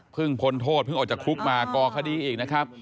เพิ่งพ้นโทษพึ่งออกจากคลุปมากอดคดีอีกนะครับ